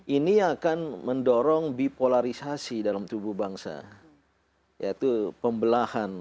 ini akan mendorong bipolarisasi dalam tubuh bangsa yaitu pembelahan